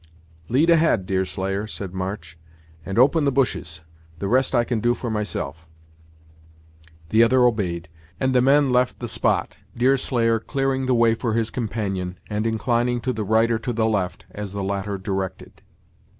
"Lead ahead, Deerslayer," said March, "and open the bushes; the rest I can do for myself." The other obeyed, and the men left the spot, Deerslayer clearing the way for his companion, and inclining to the right or to the left, as the latter directed.